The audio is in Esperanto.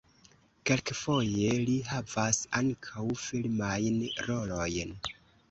Kelkfoje li havas ankaŭ filmajn rolojn.